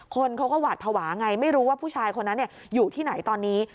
คนเขาก็หวาดภาวะไงไม่รู้ว่าผู้ชายคนนั้นอยู่ที่ไหนตอนนี้